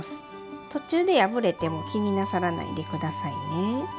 途中で破れても気になさらないで下さいね。